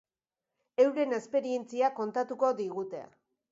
Euren esperientzia kontatuko digute.